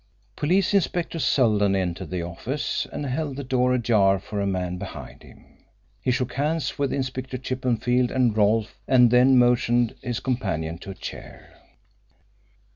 Police Inspector Seldon entered the office, and held the door ajar for a man behind him. He shook hands with Inspector Chippenfield and Rolfe, and then motioned his companion to a chair.